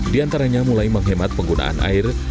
di antaranya mulai menghemat penggunaan air